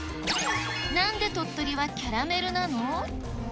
なんで鳥取はキャラメルなの？